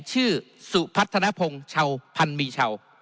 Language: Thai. ชื่อสุพัฒนภงชาวพันธ์มีชาว